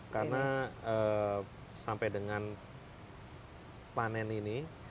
karena sampai dengan panen ini